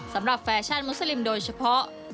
สำหรับแฟชั่นมุสลิมโดยเฉพาะ